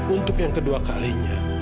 untuk yang kedua kalinya